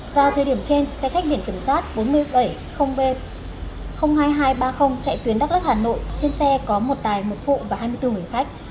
vào thời điểm trên xe khách biển kiểm soát bốn mươi bảy b hai nghìn hai trăm ba mươi chạy tuyến đắk lắc hà nội trên xe có một tài một phụ và hai mươi bốn người khách